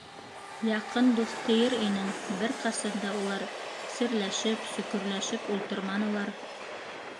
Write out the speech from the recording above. Яҡын дуҫ тиер инең - бер ҡасан да улар серләшеп-сөкөрләшеп ултырманылар.